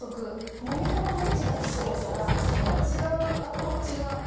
もみ玉の位置が違うからまた違うアプローチが。